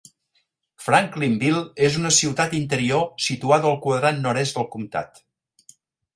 Franklinville és una ciutat interior, situada al quadrant nord-est del comtat.